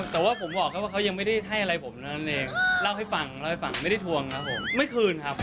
แต่ว่าผมบอกแค่ว่าเขายังไม่ได้ให้อะไรผมเท่านั้นเองเล่าให้ฟังเล่าให้ฟังไม่ได้ทวงครับผมไม่คืนครับ